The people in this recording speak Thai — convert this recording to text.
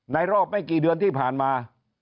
รอบไม่กี่เดือนที่ผ่านมา